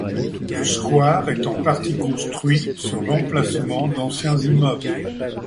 Le square est en partie construit sur l'emplacement d'anciens immeubles.